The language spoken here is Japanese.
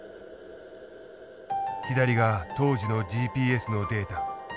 左が当時のＧＰＳのデータ。